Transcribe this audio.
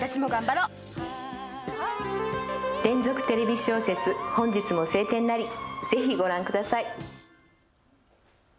連続テレビ小説、本日も晴天なり、ぜひご覧ください。